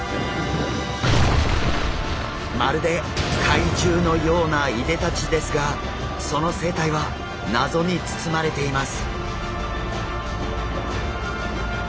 まるで怪獣のようないでたちですがその生態は謎に包まれています。